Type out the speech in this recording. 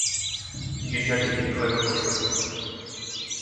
গির্জাটি দীর্ঘ এবং প্রশস্ত।